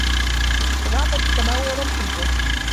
غَامَتْ السَّمَاءُ وَلَمْ تُمْطِرْ.